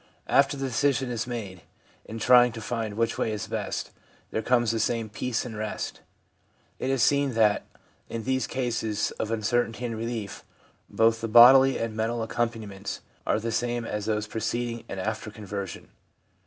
After the decision is made, in trying to find which way is best, there comes the same peace and rest/ It is seen that, in these cases of uncertainty and relief, both the bodily and mental accompaniments are the same as those preceding and after conversion.